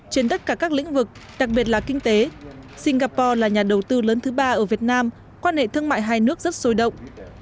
trên tất cả các lĩnh vực đặc biệt là kinh tế singapore là nhà đầu tư lớn thứ ba ở việt nam quan hệ thương mại hai nước rất sôi động